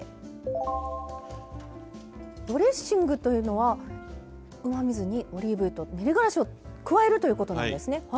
ドレッシングというのはうまみ酢にオリーブ油と練りがらしを加えるということなんですね。